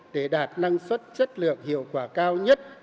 để đạt năng suất chất lượng hiệu quả cao nhất